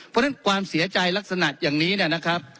เพราะฉะนั้นความเสียใจลักษณะอย่างนี้นะครับ